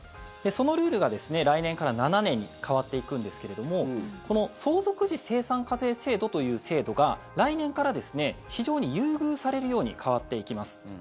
そのルールが来年から７年に変わっていくんですけどもこの相続時精算課税制度という制度が来年から非常に優遇されるように変わっていきます。